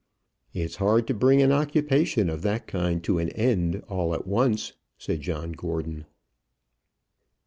"It's hard to bring an occupation of that kind to an end all at once," said John Gordon.